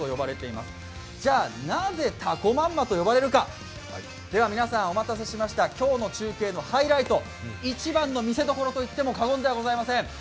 じゃあ、なぜ、たこまんまと呼ばれるか、では皆さん、お待たせしました今日の中継のハイライト一番の見せどころといっても、過言ではございません。